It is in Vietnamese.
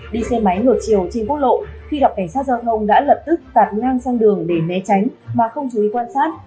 đi xe máy ngược chiều trên quốc lộ khi gặp cảnh sát giao thông đã lập tức tạt ngang sang đường để né tránh mà không chú ý quan sát